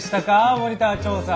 モニター調査。